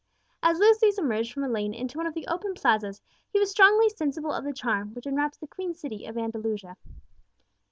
As Lucius emerged from a lane into one of the open plazas, he was strongly sensible of the charm which enwraps the queen city of Andalusia.